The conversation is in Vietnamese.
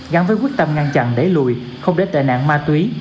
gắn với quyết tâm ngăn chặn đẩy lùi không để tệ nạn ma túy